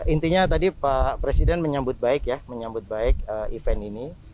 intinya tadi pak presiden menyambut baik ya menyambut baik event ini